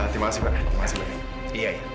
terima kasih pak